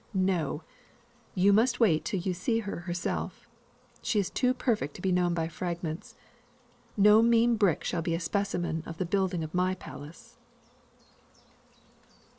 "No! you must wait till you see her herself. She is too perfect to be known by fragments. No mean brick shall be a specimen of the building of my palace."